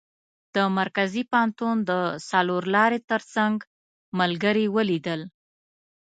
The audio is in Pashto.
د مرکزي پوهنتون د څلور لارې تر څنګ ملګري ولیدل.